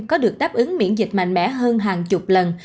có được đáp ứng miễn dịch mạnh mẽ hơn hàng chục lần